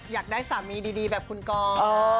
อยากได้สามีดีแบบคุณกอง